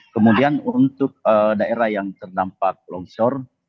kemudian untuk daerah yang terdampak longsor